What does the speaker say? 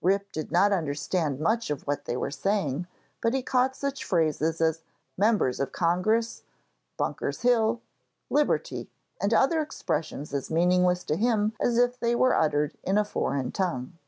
Rip did not understand much of what they were saying, but he caught such phrases as 'Members of Congress,' 'Bunker's Hill,' 'liberty,' and other expressions as meaningless to him as if they were uttered in a foreign tongue.